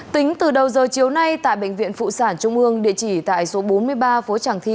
tính từ đầu giờ chiều nay tại bệnh viện phụ sản trung ương địa chỉ tại số bốn mươi ba phố tràng thi